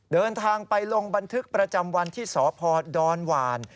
เดินทางไปลงบันทึกประจำวันที่สพดอนหวาน